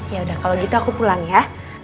yaudah kalo gitu aku pulang ya